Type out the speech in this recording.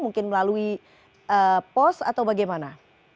mungkin melalui pos atau bagaimana